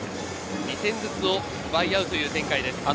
２点ずつを奪い合うという展開です。